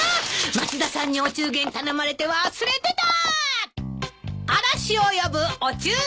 松田さんにお中元頼まれて忘れてた！